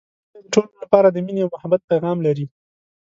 سپین ږیری د ټولو لپاره د ميني او محبت پیغام لري